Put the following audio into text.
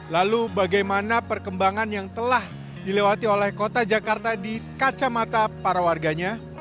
lalu bagaimana perkembangan yang telah dilewati oleh kota jakarta di kacamata para warganya